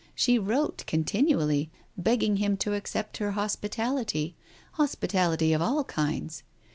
She wrote continually begging him to accept her hospitality — hospitality of all kinds.